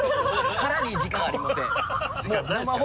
さらに時間ありません。